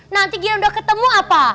nanti dia udah ketemu apa